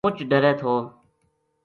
مچ ڈرے تھو